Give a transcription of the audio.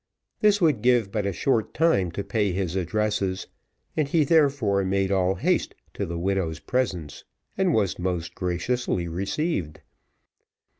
This would give but a short time to pay his addresses, and he therefore made all haste to the widow's presence, and was most graciously received.